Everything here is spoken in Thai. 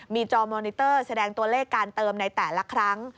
มีจอมอนิเตอร์แสดงตัวเลขการเติมในแต่ละครั้ง